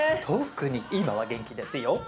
特に今は元気ですよ。